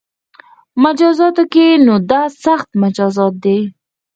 مجازاتو کې نو دا سخت مجازات دي